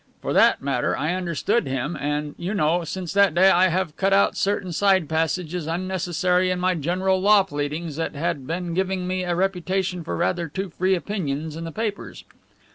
For that matter, I understood him, and, you know, since that day I have cut out certain side passages unnecessary in my general law pleadings that had been giving me a reputation for rather too free opinions in the papers.